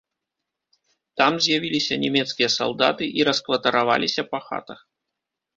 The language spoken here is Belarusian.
Там з'явіліся нямецкія салдаты і раскватараваліся па хатах.